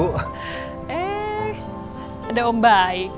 eh ada ombaik